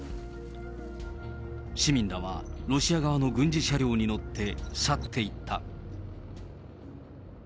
市民らは、ロシア軍の軍事車両に乗って、去っていった。